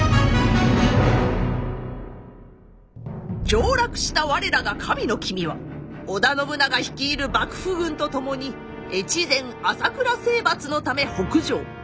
上洛した我らが神の君は織田信長率いる幕府軍と共に越前朝倉征伐のため北上。